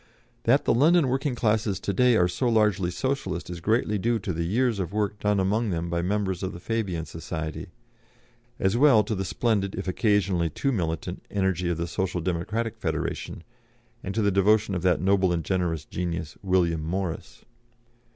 That the London working classes to day are so largely Socialist is greatly due to the years of work done among them by members of the Fabian Society, as well to the splendid, if occasionally too militant, energy of the Social Democratic Federation, and to the devotion of that noble and generous genius, William Morris.